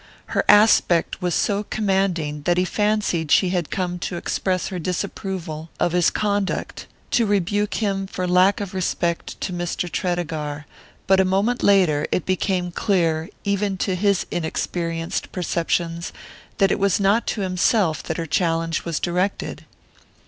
Her aspect was so commanding that he fancied she had come to express her disapproval of his conduct, to rebuke him for lack of respect to Mr. Tredegar; but a moment later it became clear, even to his inexperienced perceptions, that it was not to himself that her challenge was directed.